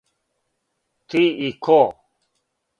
Ти и ко!